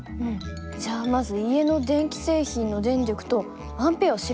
じゃあまず家の電気製品の電力とＡを調べてみようよ。